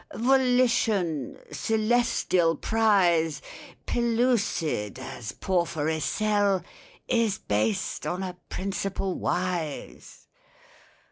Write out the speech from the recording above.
"Volition—celestial prize, Pellucid as porphyry cell— Is based on a principle wise."